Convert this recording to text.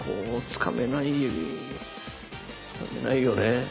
つかめないよね。